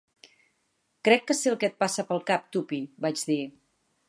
"Crec que sé el que et passa pel cap, Tuppy", vaig dir.